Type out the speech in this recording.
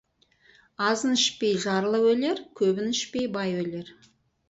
Азын ішпей, жарлы өлер, көбін ішпей, бай өлер.